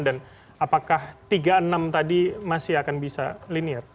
dan apakah tiga enam tadi masih akan bisa linear